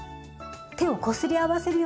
手をこすり合わせるようにして。